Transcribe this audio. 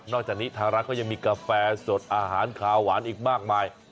จากนี้ทางร้านก็ยังมีกาแฟสดอาหารขาวหวานอีกมากมาย